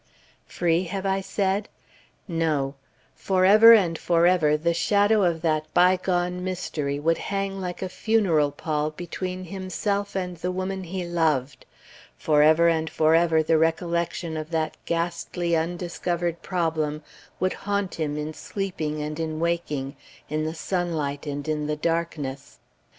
Free, have I said? No; for ever and for ever the shadow of that bygone mystery would hang like a funeral pall between himself and the woman he loved; for ever and for ever the recollection of that ghastly undiscovered problem would haunt him in sleeping and in waking, in the sunlight and in the darkness.